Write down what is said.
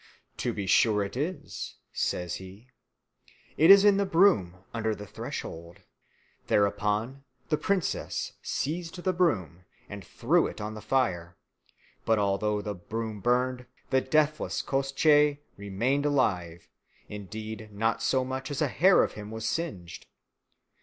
"To be sure it is," says he, "it is in the broom under the threshold." Thereupon the princess seized the broom and threw it on the fire, but although the broom burned, the deathless Koshchei remained alive; indeed not so much as a hair of him was singed.